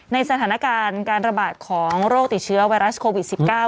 ในสถานการณ์การระบาดของโรคติดเชื้อไวรัสโควิด๑๙